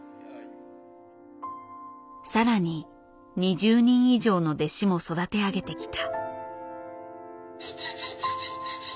更に２０人以上の弟子も育て上げてきた。